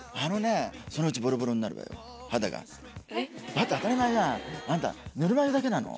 だって当たり前じゃないあんたぬるま湯だけなの？